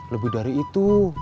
lebih dari itu